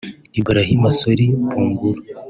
Ibrahima Sory Bangoura